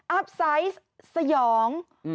อัพไซส์สยอง